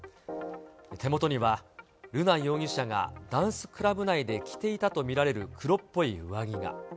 手元には、瑠奈容疑者がダンスクラブ内で着ていたと見られる黒っぽい上着が。